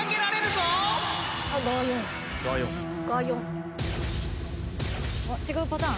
あっ違うパターン？